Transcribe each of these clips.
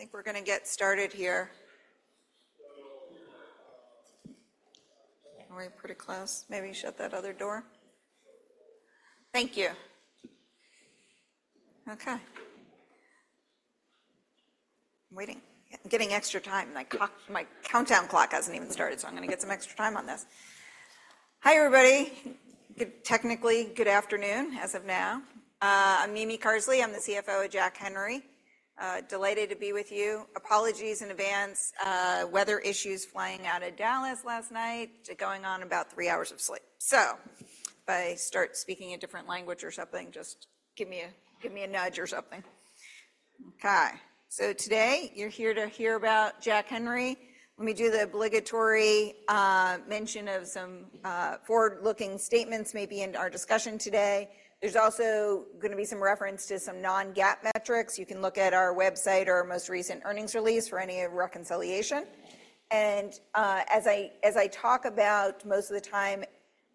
Okay, I think we're going to get started here. Are we pretty close? Maybe shut that other door. Thank you. Okay. I'm waiting. I'm giving extra time. My clock, my countdown clock hasn't even started, so I'm going to get some extra time on this. Hi, everybody. Technically, good afternoon, as of now. I'm Mimi Carsley. I'm the CFO of Jack Henry. Delighted to be with you. Apologies in advance, weather issues flying out of Dallas last night to going on about three hours of sleep. So if I start speaking a different language or something, just give me a, give me a nudge or something. Okay, so today you're here to hear about Jack Henry. Let me do the obligatory mention of some forward-looking statements maybe in our discussion today. There's also going to be some reference to some non-GAAP metrics. You can look at our website or most recent earnings release for any reconciliation. As I talk about most of the time,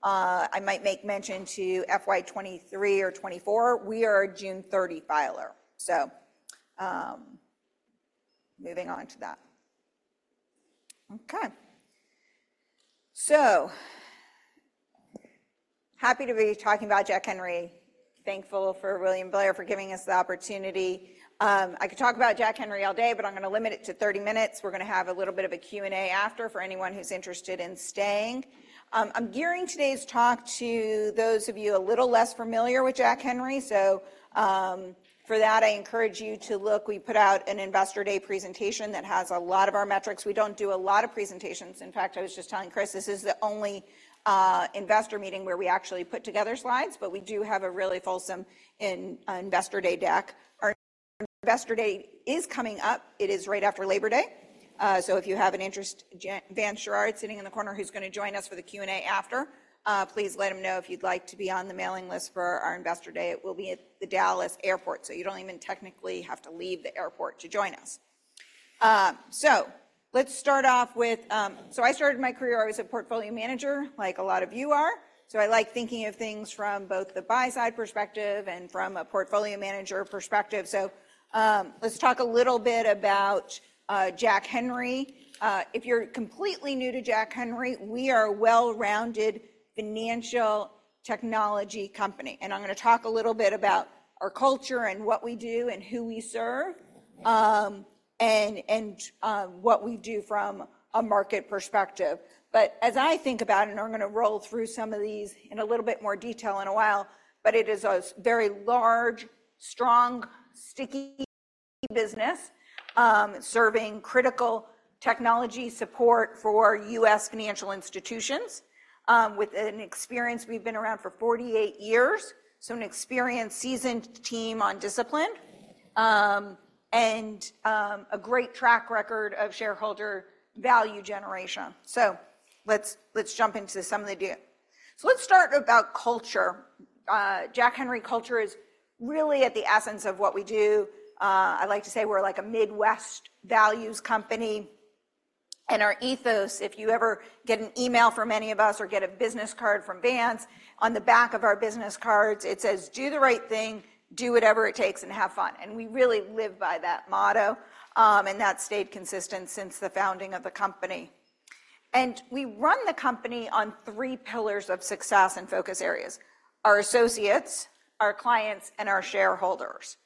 I might make mention to FY 2023 or 2024. We are a June 30 filer, so, moving on to that. Okay. So happy to be talking about Jack Henry. Thankful for William Blair for giving us the opportunity. I could talk about Jack Henry all day, but I'm going to limit it to 30 minutes. We're going to have a little bit of a Q&A after for anyone who's interested in staying. I'm gearing today's talk to those of you a little less familiar with Jack Henry, so, for that, I encourage you to look. We put out an Investor Day presentation that has a lot of our metrics. We don't do a lot of presentations. In fact, I was just telling Chris, this is the only investor meeting where we actually put together slides, but we do have a really fulsome Investor Day deck. Our Investor Day is coming up. It is right after Labor Day. So if you have an interest, Vance Sherard, sitting in the corner, who's going to join us for the Q&A after, please let him know if you'd like to be on the mailing list for our Investor Day. It will be at the Dallas Airport, so you don't even technically have to leave the airport to join us. So let's start off with. So I started my career, I was a portfolio manager, like a lot of you are. So I like thinking of things from both the buy-side perspective and from a portfolio manager perspective. So, let's talk a little bit about Jack Henry. If you're completely new to Jack Henry, we are a well-rounded financial technology company, and I'm going to talk a little bit about our culture and what we do and who we serve, and what we do from a market perspective. But as I think about it, and I'm going to roll through some of these in a little bit more detail in a while, but it is a very large, strong, sticky business, serving critical technology support for U.S. financial institutions, with an experience. We've been around for 48 years, so an experienced, seasoned team on discipline, and a great track record of shareholder value generation. So let's jump into some of the deal. So let's start about culture. Jack Henry culture is really at the essence of what we do. I like to say we're like a Midwest values company, and our ethos, if you ever get an email from any of us or get a business card from Vance, on the back of our business cards, it says: Do the right thing, do whatever it takes, and have fun. And we really live by that motto, and that stayed consistent since the founding of the company. And we run the company on three pillars of success and focus areas: our associates, our clients, and our shareholders.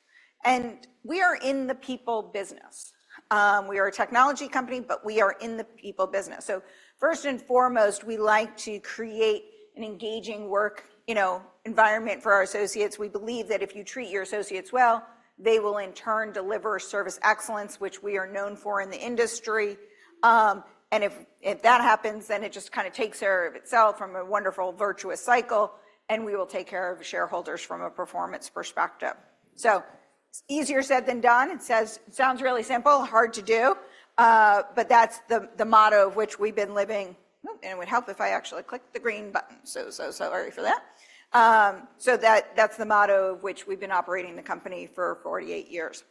And we are in the people business. We are a technology company, but we are in the people business. So first and foremost, we like to create an engaging work, you know, environment for our associates. We believe that if you treat your associates well, they will in turn deliver service excellence, which we are known for in the industry. And if that happens, then it just kind of takes care of itself from a wonderful virtuous cycle, and we will take care of shareholders from a performance perspective. So it's easier said than done. It sounds really simple, hard to do, but that's the motto of which we've been living. Oh, and it would help if I actually clicked the green button, so sorry for that. So that's the motto of which we've been operating the company for 48 years.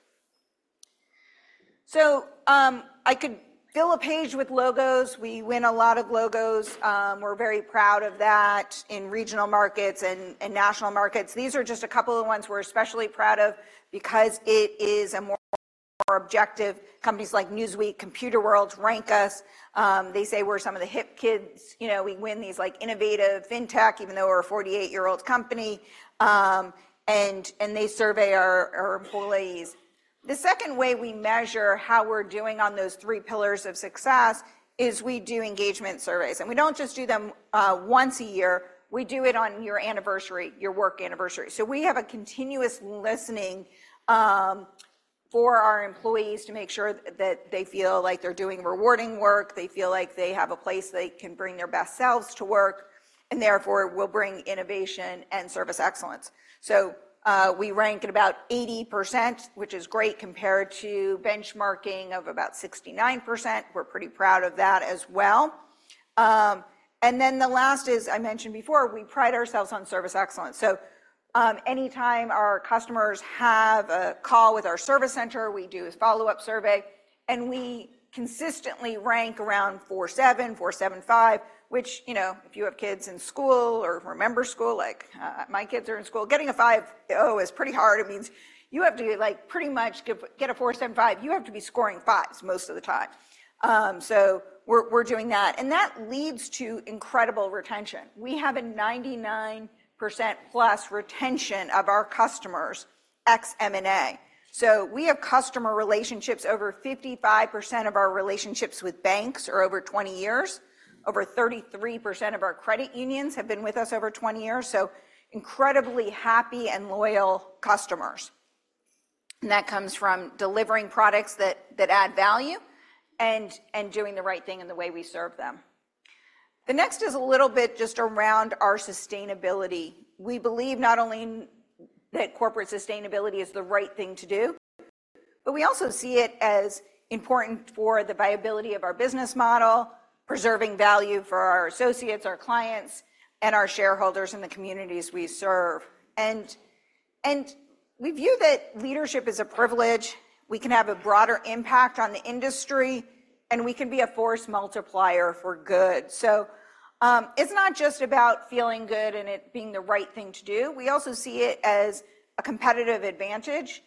So I could fill a page with logos. We win a lot of logos. We're very proud of that in regional markets and national markets. These are just a couple of ones we're especially proud of because it is a more objective. Companies like Newsweek, Computerworld rank us. They say we're some of the hip kids. You know, we win these, like, innovative fintech, even though we're a 48-year-old company, and they survey our employees. The second way we measure how we're doing on those three pillars of success is we do engagement surveys, and we don't just do them once a year. We do it on your anniversary, your work anniversary. So we have a continuous listening for our employees to make sure that they feel like they're doing rewarding work, they feel like they have a place they can bring their best selves to work, and therefore, will bring innovation and service excellence. So, we rank at about 80%, which is great, compared to benchmarking of about 69%. We're pretty proud of that as well. And then the last is, I mentioned before, we pride ourselves on service excellence. So, anytime our customers have a call with our service center, we do a follow-up survey, and we consistently rank around 4.7, 4.75, which, you know, if you have kids in school or remember school, like, my kids are in school, getting a 5.0 is pretty hard. It means you have to, like, pretty much get, get a 4.75, you have to be scoring fives most of the time. So we're, we're doing that, and that leads to incredible retention. We have a 99%+ retention of our customers, ex-M&A. So we have customer relationships, over 55% of our relationships with banks are over 20 years. Over 33% of our credit unions have been with us over 20 years, so incredibly happy and loyal customers. And that comes from delivering products that, that add value and, and doing the right thing in the way we serve them. The next is a little bit just around our sustainability. We believe not only that corporate sustainability is the right thing to do, but we also see it as important for the viability of our business model, preserving value for our associates, our clients, and our shareholders in the communities we serve. And, and we view that leadership is a privilege. We can have a broader impact on the industry, and we can be a force multiplier for good. So, it's not just about feeling good and it being the right thing to do. We also see it as a competitive advantage.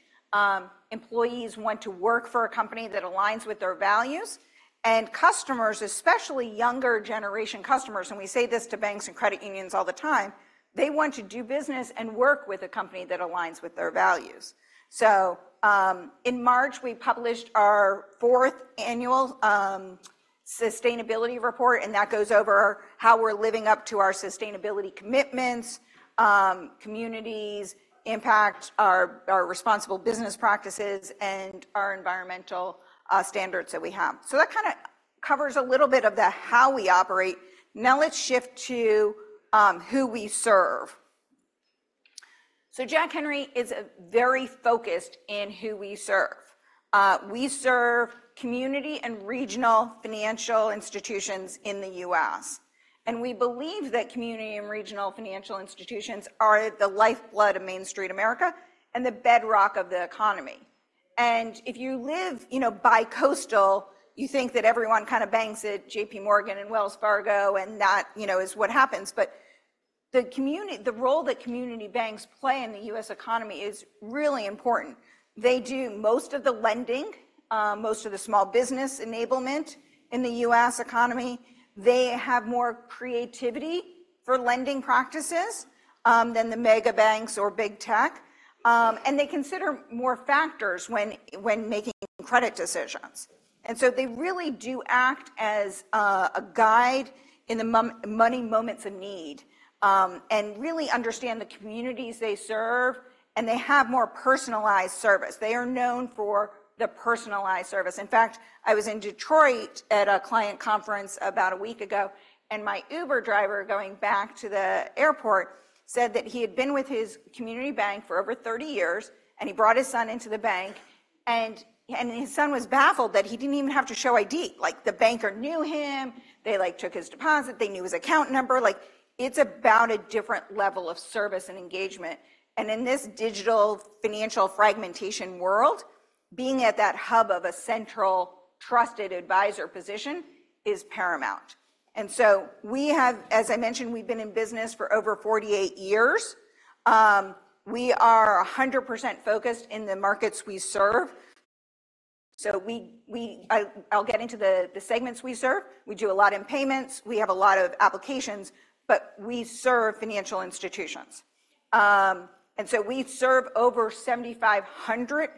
Employees want to work for a company that aligns with their values, and customers, especially younger generation customers, and we say this to banks and credit unions all the time, they want to do business and work with a company that aligns with their values. So, in March, we published our fourth annual sustainability report, and that goes over how we're living up to our sustainability commitments, communities, impact, our, our responsible business practices, and our environmental standards that we have. So that kinda covers a little bit of the how we operate. Now let's shift to, who we serve. So Jack Henry is very focused in who we serve. We serve community and regional financial institutions in the U.S., and we believe that community and regional financial institutions are the lifeblood of Main Street America and the bedrock of the economy. If you live, you know, bicoastal, you think that everyone kind of banks at J.P. Morgan and Wells Fargo, and that, you know, is what happens. But the community, the role that community banks play in the U.S. economy is really important. They do most of the lending, most of the small business enablement in the U.S. economy. They have more creativity for lending practices than the mega banks or big tech, and they consider more factors when making credit decisions. And so they really do act as a guide in the money moments of need, and really understand the communities they serve, and they have more personalized service. They are known for the personalized service. In fact, I was in Detroit at a client conference about a week ago, and my Uber driver, going back to the airport, said that he had been with his community bank for over 30 years, and he brought his son into the bank, and his son was baffled that he didn't even have to show ID. Like, the banker knew him, they, like, took his deposit, they knew his account number. Like, it's about a different level of service and engagement. And in this digital financial fragmentation world, being at that hub of a central, trusted advisor position is paramount. And so we have, as I mentioned, we've been in business for over 48 years. We are 100% focused in the markets we serve. So we, I, I'll get into the segments we serve. We do a lot in payments. We have a lot of applications, but we serve financial institutions. And so we serve over 7,500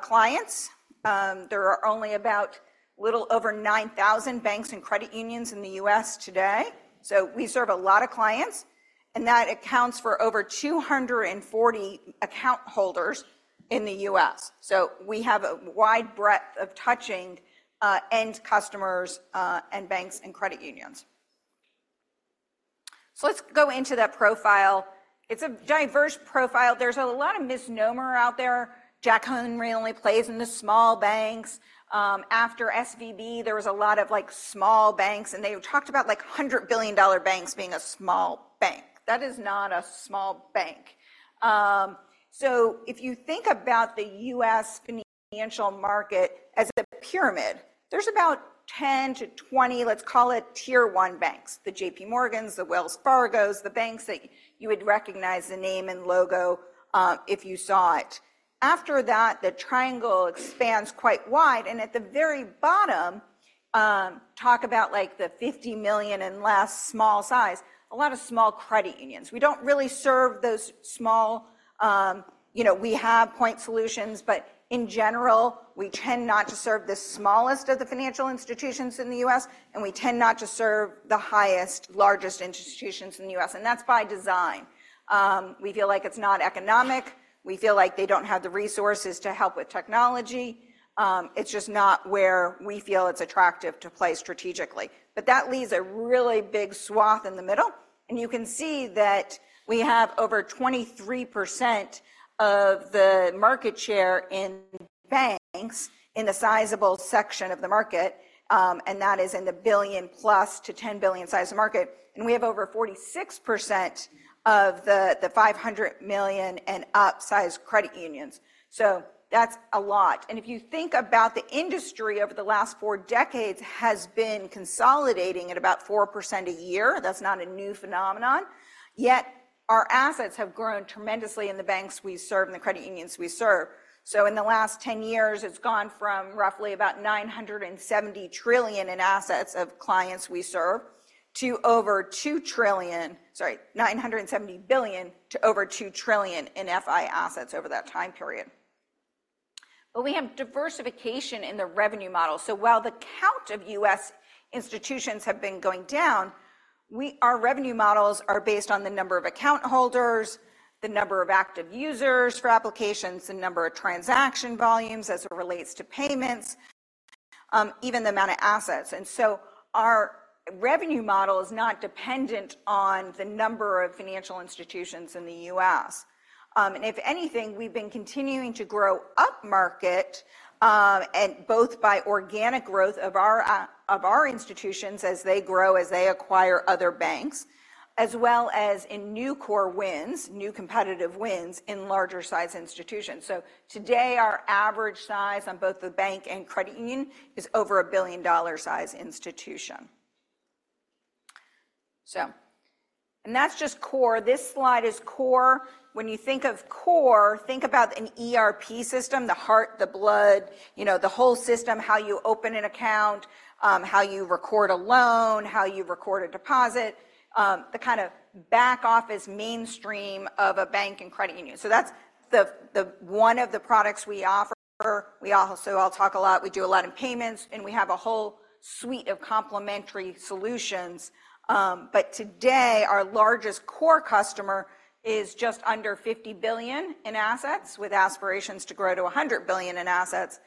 clients. There are only about a little over 9,000 banks and credit unions in the U.S. today. So we serve a lot of clients, and that accounts for over 240 account holders in the U.S. So we have a wide breadth of touching end customers and banks and credit unions. So let's go into that profile. It's a diverse profile. There's a lot of misnomer out there. Jack Henry only plays in the small banks. After SVB, there was a lot of, like, small banks, and they talked about, like, $100 billion banks being a small bank. That is not a small bank. So if you think about the U.S. financial market as a pyramid, there's about 10-20, let's call it tier one banks, the J.P. Morgans, the Wells Fargos, the banks that you would recognize the name and logo, if you saw it. After that, the triangle expands quite wide, and at the very bottom, talk about, like, the $50 million and less small size, a lot of small credit unions. We don't really serve those small. You know, we have point solutions, but in general, we tend not to serve the smallest of the financial institutions in the U.S., and we tend not to serve the highest, largest institutions in the U.S., and that's by design. We feel like it's not economic. We feel like they don't have the resources to help with technology. It's just not where we feel it's attractive to play strategically. But that leaves a really big swath in the middle, and you can see that we have over 23% of the market share in banks in a sizable section of the market, and that is in the $1 billion-plus to 10 billion size market. And we have over 46% of the $500 million and up-sized credit unions. So that's a lot. If you think about the industry over the last four decades, it has been consolidating at about 4% a year. That's not a new phenomenon. Yet our assets have grown tremendously in the banks we serve and the credit unions we serve. So in the last 10 years, it's gone from roughly about $970 trillion in assets of clients we serve to over $2 trillion—Sorry, $970 billion to over $2 trillion in FI assets over that time period. But we have diversification in the revenue model. So while the count of U.S. institutions have been going down, we, our revenue models are based on the number of account holders, the number of active users for applications, the number of transaction volumes as it relates to payments, even the amount of assets. And so our revenue model is not dependent on the number of financial institutions in the U.S. And if anything, we've been continuing to grow upmarket, and both by organic growth of our institutions as they grow, as they acquire other banks, as well as in new core wins, new competitive wins in larger-sized institutions. So today, our average size on both the bank and credit union is over a billion-dollar size institution. So, and that's just core. This slide is core. When you think of core, think about an ERP system, the heart, the blood, you know, the whole system, how you open an account, how you record a loan, how you record a deposit, the kind of back-office mainstream of a bank and credit union. So that's the one of the products we offer. We also all talk a lot, we do a lot of payments, and we have a whole suite of complementary solutions. But today, our largest core customer is just under $50 billion in assets, with aspirations to grow to $100 billion in assets.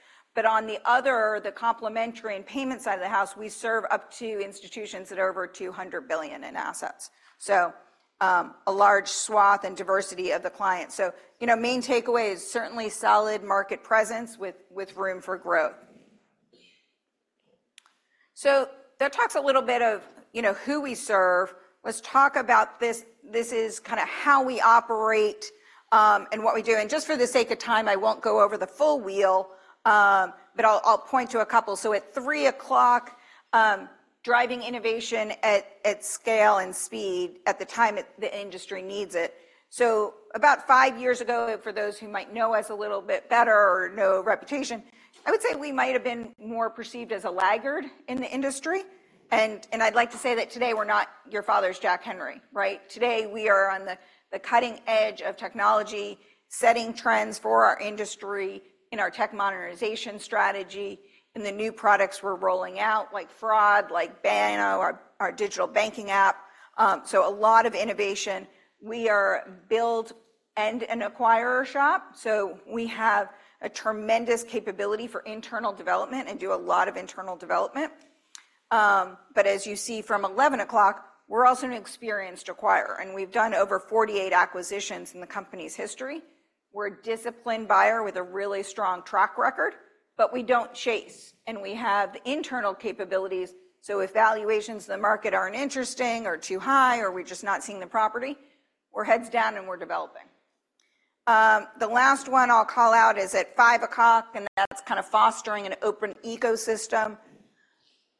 On the other, the complementary and payment side of the house, we serve up to institutions that are over $200 billion in assets. A large swath and diversity of the client. You know, main takeaway is certainly solid market presence with, with room for growth. That talks a little bit of, you know, who we serve. Let's talk about this. This is kind of how we operate and what we do. Just for the sake of time, I won't go over the full wheel, but I'll, I'll point to a couple. So at three o'clock, driving innovation at, at scale and speed at the time the industry needs it. So about 5 years ago, for those who might know us a little bit better or know our reputation, I would say we might have been more perceived as a laggard in the industry. And, and I'd like to say that today, we're not your father's Jack Henry, right? Today, we are on the cutting edge of technology, setting trends for our industry in our tech monetization strategy, in the new products we're rolling out, like fraud, like Banno, our digital banking app. So a lot of innovation. We are build and an acquirer shop, so we have a tremendous capability for internal development and do a lot of internal development. But as you see from 11 o'clock, we're also an experienced acquirer, and we've done over 48 acquisitions in the company's history. We're a disciplined buyer with a really strong track record, but we don't chase, and we have the internal capabilities. So if valuations in the market aren't interesting or too high or we're just not seeing the property, we're heads down and we're developing. The last one I'll call out is at 5 o'clock, and that's kind of fostering an open ecosystem.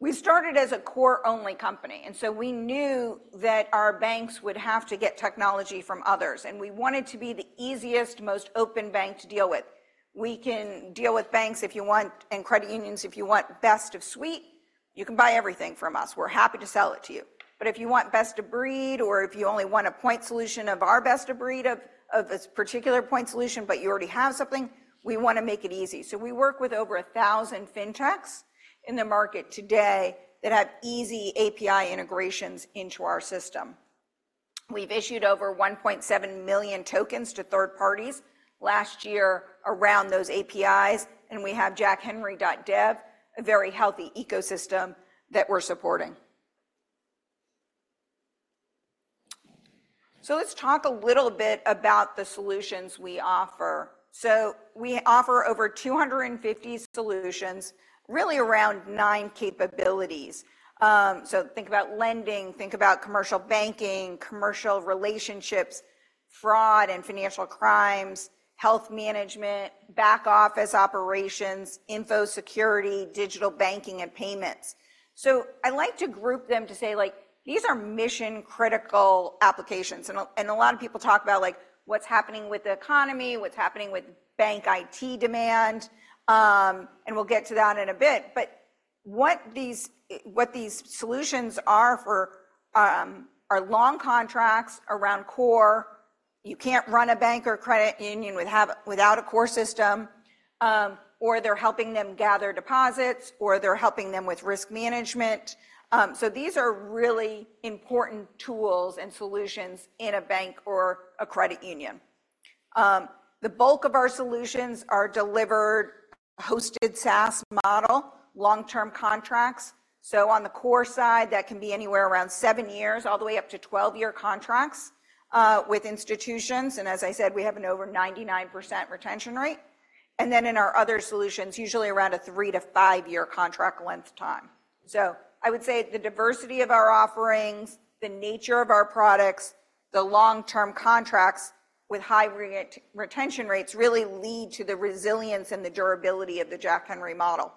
We started as a core-only company, and so we knew that our banks would have to get technology from others, and we wanted to be the easiest, most open bank to deal with. We can deal with banks if you want, and credit unions, if you want best of suite, you can buy everything from us. We're happy to sell it to you. But if you want best of breed or if you only want a point solution of our best of breed of this particular point solution, but you already have something, we want to make it easy. So we work with over 1,000 fintechs in the market today that have easy API integrations into our system. We've issued over 1.7 million tokens to third parties last year around those APIs, and we have jackhenry.dev, a very healthy ecosystem that we're supporting. So let's talk a little bit about the solutions we offer. So we offer over 250 solutions, really around nine capabilities. So think about lending, think about commercial banking, commercial relationships, fraud and financial crimes, wealth management, back-office operations, info security, digital banking, and payments. So I like to group them to say, like, these are mission-critical applications. A lot of people talk about, like, what's happening with the economy, what's happening with bank IT demand, and we'll get to that in a bit. But what these solutions are for are long contracts around core. You can't run a bank or credit union without a core system, or they're helping them gather deposits, or they're helping them with risk management. So these are really important tools and solutions in a bank or a credit union. The bulk of our solutions are delivered hosted SaaS model, long-term contracts. So on the core side, that can be anywhere around 7 years, all the way up to 12-year contracts with institutions. And as I said, we have an over 99% retention rate, and then in our other solutions, usually around a three- to five-year contract length time. So I would say the diversity of our offerings, the nature of our products, the long-term contracts with high retention rates really lead to the resilience and the durability of the Jack Henry model.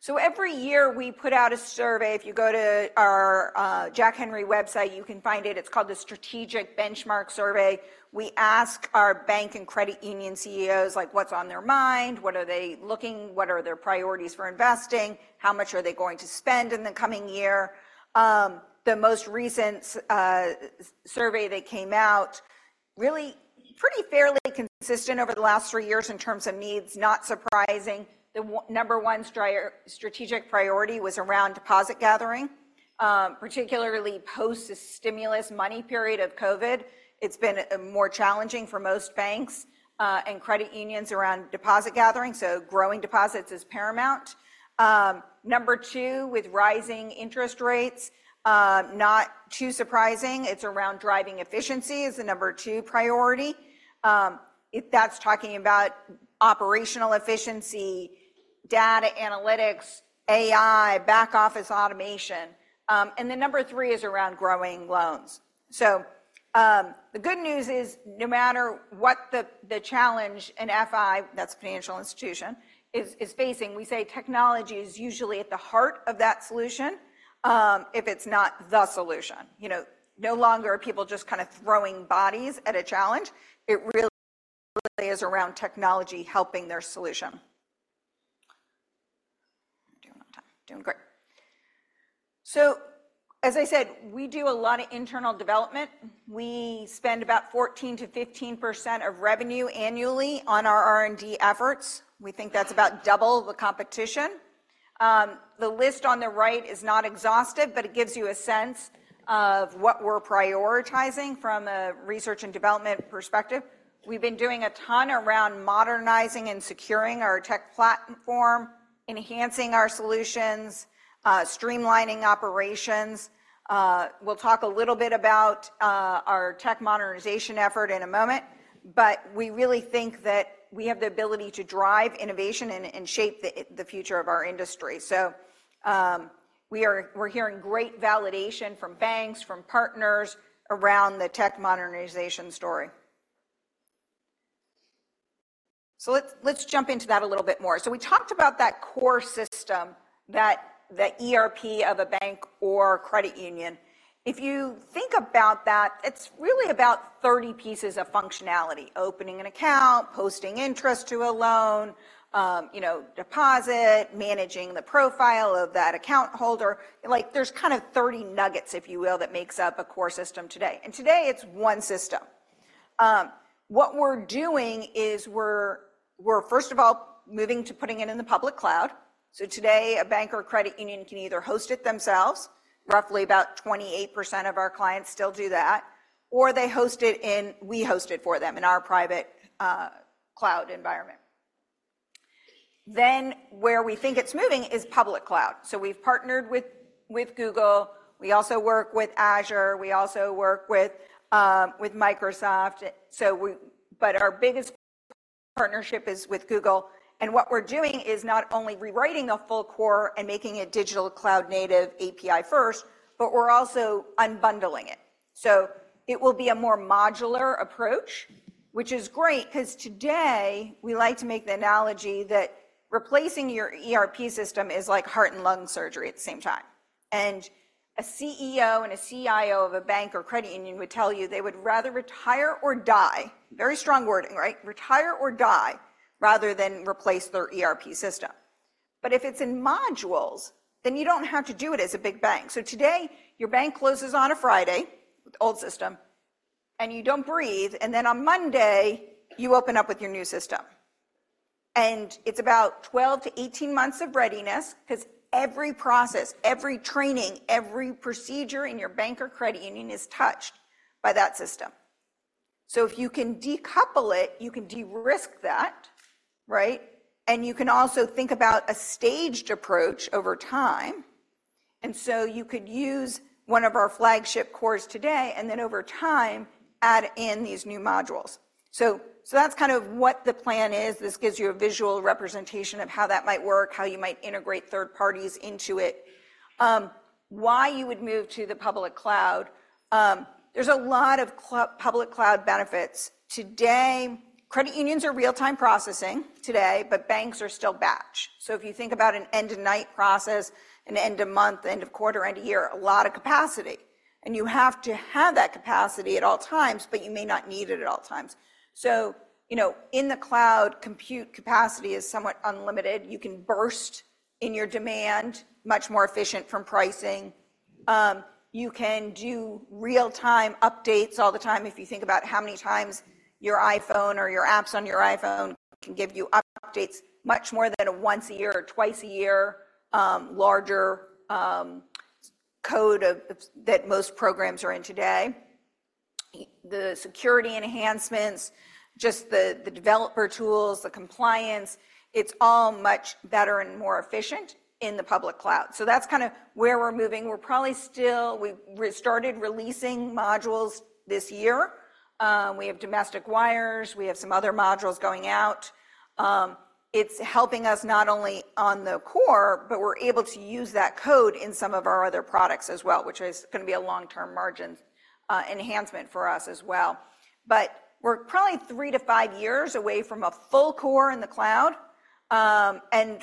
So every year we put out a survey. If you go to our Jack Henry website, you can find it. It's called the Strategic Benchmark Survey. We ask our bank and credit union CEOs, like, what's on their mind? What are they looking—what are their priorities for investing? How much are they going to spend in the coming year? The most recent survey that came out, really pretty fairly consistent over the last three years in terms of needs. Not surprising, the number one strategic priority was around deposit gathering. Particularly post the stimulus money period of COVID, it's been more challenging for most banks and credit unions around deposit gathering, so growing deposits is paramount. Number two, with rising interest rates, not too surprising, it's around driving efficiency is the number two priority. That's talking about operational efficiency, data analytics, AI, back office automation, and then number three is around growing loans. So, the good news is, no matter what the challenge an FI, that's financial institution, is facing, we say technology is usually at the heart of that solution, if it's not the solution. You know, no longer are people just kind of throwing bodies at a challenge. It really is around technology helping their solution. Doing on time. Doing great. So, as I said, we do a lot of internal development. We spend about 14%-15% of revenue annually on our R&D efforts. We think that's about double the competition. The list on the right is not exhaustive, but it gives you a sense of what we're prioritizing from a research and development perspective. We've been doing a ton around modernizing and securing our tech platform, enhancing our solutions, streamlining operations. We'll talk a little bit about our tech modernization effort in a moment, but we really think that we have the ability to drive innovation and shape the future of our industry. We're hearing great validation from banks, from partners around the tech modernization story. So let's jump into that a little bit more. So we talked about that core system, that the ERP of a bank or credit union. If you think about that, it's really about 30 pieces of functionality: opening an account, posting interest to a loan, you know, deposit, managing the profile of that account holder. Like, there's kind of 30 nuggets, if you will, that makes up a core system today, and today it's one system. What we're doing is we're first of all moving to putting it in the public cloud. So today, a bank or credit union can either host it themselves, roughly about 28% of our clients still do that, or they host it in, we host it for them in our private cloud environment. Then, where we think it's moving is public cloud. So we've partnered with Google. We also work with Azure. We also work with Microsoft. but our biggest partnership is with Google, and what we're doing is not only rewriting a full core and making it digital cloud native API first, but we're also unbundling it. So it will be a more modular approach, which is great, 'cause today, we like to make the analogy that replacing your ERP system is like heart and lung surgery at the same time. And a CEO and a CIO of a bank or credit union would tell you they would rather retire or die, very strong wording, right? Retire or die, rather than replace their ERP system. But if it's in modules, then you don't have to do it as a big bang. So today, your bank closes on a Friday, the old system, and you don't breathe, and then on Monday, you open up with your new system. It's about 12-18 months of readiness because every process, every training, every procedure in your bank or credit union is touched by that system. So if you can decouple it, you can de-risk that, right? You can also think about a staged approach over time. So you could use one of our flagship cores today, and then over time, add in these new modules. So, so that's kind of what the plan is. This gives you a visual representation of how that might work, how you might integrate third parties into it. Why you would move to the public cloud? There's a lot of public cloud benefits. Today, credit unions are real-time processing today, but banks are still batch. So if you think about an end-of-night process, an end of month, end of quarter, end of year, a lot of capacity, and you have to have that capacity at all times, but you may not need it at all times. So, you know, in the cloud, compute capacity is somewhat unlimited. You can burst in your demand, much more efficient from pricing. You can do real-time updates all the time. If you think about how many times your iPhone or your apps on your iPhone can give you updates, much more than a once a year or twice a year, larger codebase that most programs are in today. The security enhancements, just the developer tools, the compliance, it's all much better and more efficient in the public cloud. So that's kind of where we're moving. We're probably still... We started releasing modules this year. We have domestic wires. We have some other modules going out. It's helping us not only on the core, but we're able to use that code in some of our other products as well, which is going to be a long-term margin enhancement for us as well. But we're probably three to five years away from a full core in the cloud, and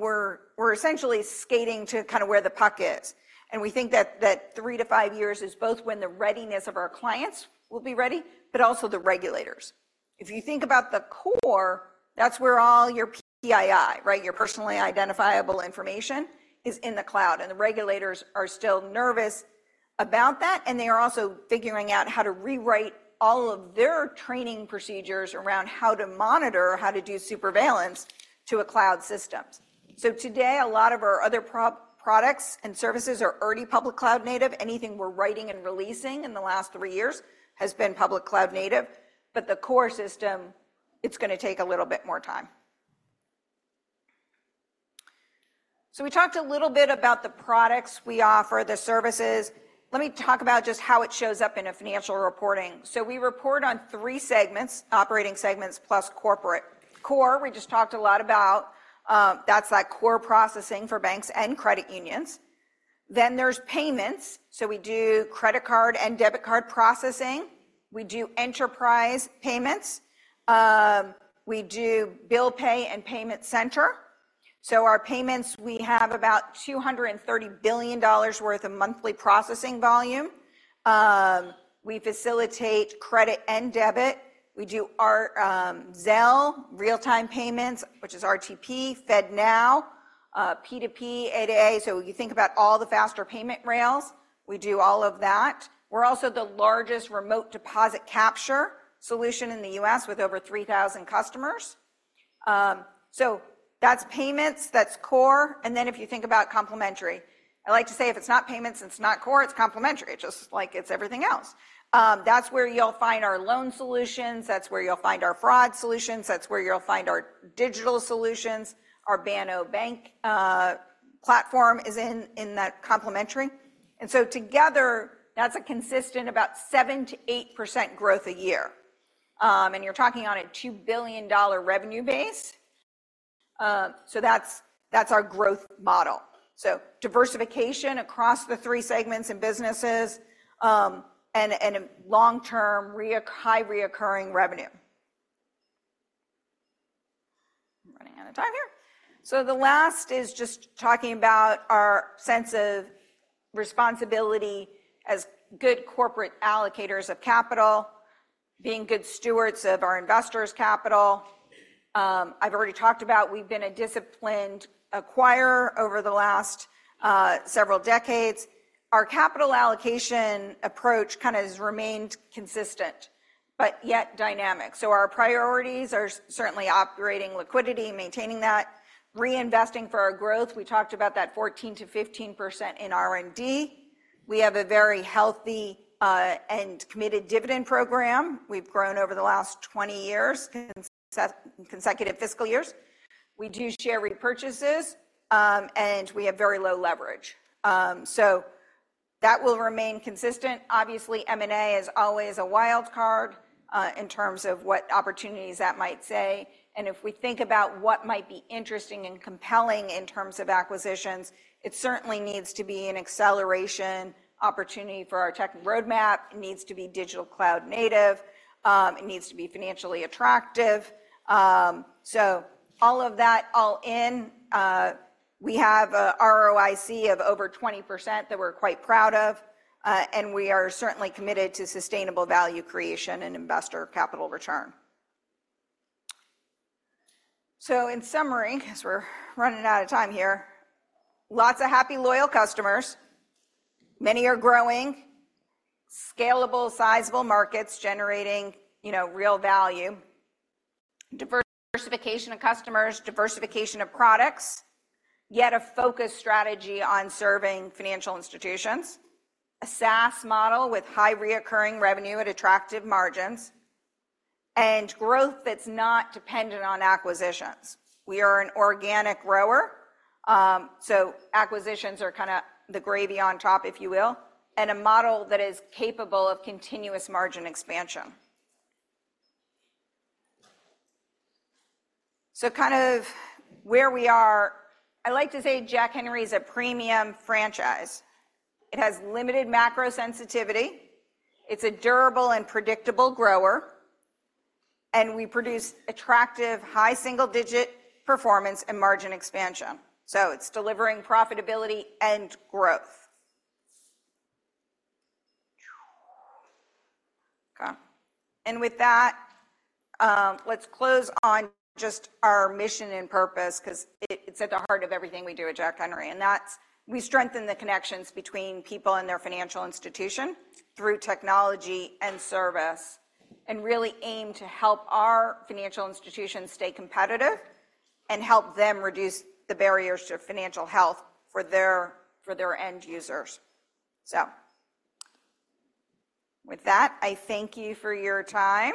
we're essentially skating to kind of where the puck is. And we think that three to five years is both when the readiness of our clients will be ready, but also the regulators. If you think about the core, that's where all your PII, right, your personally identifiable information, is in the cloud, and the regulators are still nervous about that, and they are also figuring out how to rewrite all of their training procedures around how to monitor, how to do surveillance to cloud systems. So today, a lot of our other products and services are already public cloud native. Anything we're writing and releasing in the last three years has been public cloud native, but the core system, it's gonna take a little bit more time. So we talked a little bit about the products we offer, the services. Let me talk about just how it shows up in financial reporting. So we report on three segments, operating segments, plus corporate. Core, we just talked a lot about, that's that core processing for banks and credit unions. Then there's payments. So we do credit card and debit card processing. We do enterprise payments. We do bill pay and payment center. So our payments, we have about $230 billion worth of monthly processing volume. We facilitate credit and debit. We do our Zelle, real-time payments, which is RTP, FedNow, P2P, A2A. So you think about all the faster payment rails, we do all of that. We're also the largest remote deposit capture solution in the U.S., with over 3,000 customers. So that's payments, that's core, and then if you think about complementary, I like to say, if it's not payments and it's not core, it's complementary, just like it's everything else. That's where you'll find our loan solutions, that's where you'll find our fraud solutions, that's where you'll find our digital solutions. Our Banno banking platform is in that complementary. And so together, that's consistently about 7%-8% growth a year. And you're talking on a $2 billion revenue base. So that's our growth model. So diversification across the three segments and businesses, and long-term high recurring revenue. I'm running out of time here. So the last is just talking about our sense of responsibility as good corporate allocators of capital, being good stewards of our investors' capital. I've already talked about we've been a disciplined acquirer over the last several decades. Our capital allocation approach kind of has remained consistent, but yet dynamic. So our priorities are certainly operating liquidity, maintaining that, reinvesting for our growth. We talked about that 14%-15% in R&D. We have a very healthy and committed dividend program. We've grown over the last 20 years, consecutive fiscal years. We do share repurchases, and we have very low leverage. So that will remain consistent. Obviously, M&A is always a wild card, in terms of what opportunities that might say. And if we think about what might be interesting and compelling in terms of acquisitions, it certainly needs to be an acceleration opportunity for our tech roadmap. It needs to be digital cloud native. It needs to be financially attractive. So all of that, all in, we have a ROIC of over 20% that we're quite proud of, and we are certainly committed to sustainable value creation and investor capital return. So in summary, 'cause we're running out of time here, lots of happy, loyal customers. Many are growing. Scalable, sizable markets generating, you know, real value. Diversification of customers, diversification of products, yet a focused strategy on serving financial institutions. A SaaS model with high recurring revenue at attractive margins, and growth that's not dependent on acquisitions. We are an organic grower, so acquisitions are kinda the gravy on top, if you will, and a model that is capable of continuous margin expansion. So kind of where we are, I like to say Jack Henry is a premium franchise. It has limited macro sensitivity, it's a durable and predictable grower, and we produce attractive, high single-digit performance and margin expansion. So it's delivering profitability and growth. Okay. And with that, let's close on just our mission and purpose, 'cause it, it's at the heart of everything we do at Jack Henry, and that's we strengthen the connections between people and their financial institution through technology and service, and really aim to help our financial institutions stay competitive and help them reduce the barriers to financial health for their, for their end users. So with that, I thank you for your time,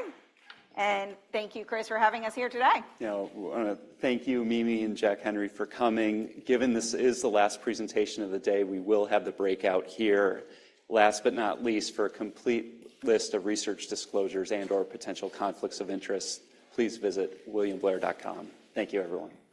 and thank you, Chris, for having us here today. Yeah. I want to thank you, Mimi and Jack Henry, for coming. Given this is the last presentation of the day, we will have the breakout here. Last but not least, for a complete list of research disclosures and/or potential conflicts of interest, please visit williamblair.com. Thank you, everyone.